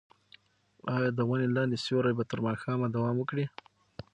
ایا د ونې لاندې سیوری به تر ماښامه دوام وکړي؟